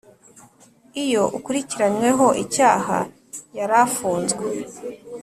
Iyo ukurikiranyweho icyaha yari afunzwe